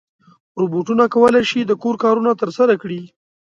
روبوټونه کولی شي د کور کارونه ترسره کړي.